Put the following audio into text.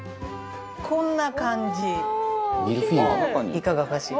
いかがかしら？